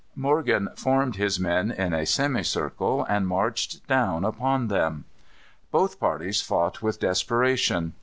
Morgan formed his men in a semicircle, and marched down upon them. Both parties fought with desperation.